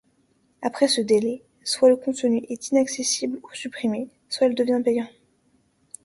Après ce délai, soit le contenu est inaccessible ou supprimé, soit il devient payant.